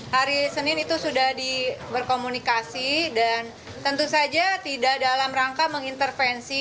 hari senin itu sudah di berkomunikasi dan tentu saja tidak dalam rangka mengintervensi